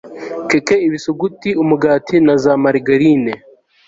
keke ibisuguti umugati na za marigarine